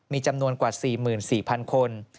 มีจำนวนกว่า๔๔๐๐คน